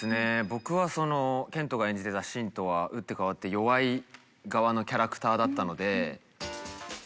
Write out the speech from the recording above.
僕は賢人が演じてた信とは打って変わって弱い側のキャラクターだったので。